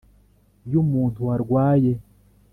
y'umuntu warwaye.